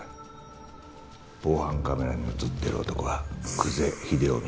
防犯カメラに映っている男は久瀬秀臣。